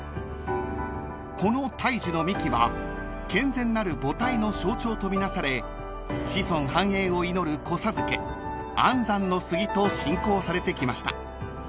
［この大樹の幹は健全なる母体の象徴と見なされ子孫繁栄を祈る子授け安産の杉と信仰されてきました］